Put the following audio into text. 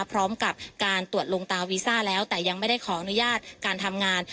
พร้อมกับการตรวจลงตาวีซ่าแล้วแต่ยังไม่ได้ขออนุญาตการทำงาน